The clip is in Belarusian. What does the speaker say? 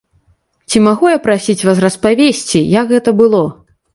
Ці магу я прасіць вас распавесці, як гэта было?